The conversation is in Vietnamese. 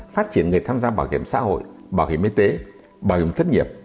phát triển người tham gia bảo hiểm xã hội bảo hiểm y tế bảo hiểm thất nghiệp